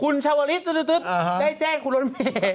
คุณชาวริสต์ได้แจ้งคุณร้อนเมล์